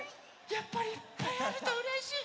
やっぱりいっぱいあるとうれしい！